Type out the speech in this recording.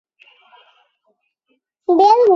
艾昂县是位于美国密苏里州东南部的一个县。